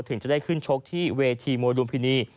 ถึงจะได้ขึ้นชกที่เวทีมวยลุมพินี